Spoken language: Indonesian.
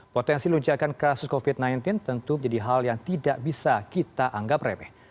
potensi lonjakan kasus covid sembilan belas tentu menjadi hal yang tidak bisa kita anggap remeh